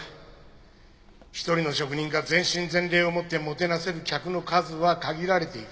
一人の職人が全身全霊をもってもてなせる客の数は限られている。